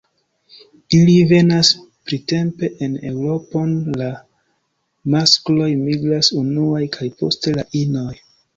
Ili venas printempe en Eŭropon; la maskloj migras unuaj kaj poste la inoj.